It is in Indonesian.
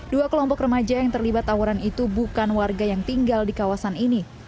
dua kelompok remaja yang terlibat tawuran itu bukan warga yang tinggal di kawasan ini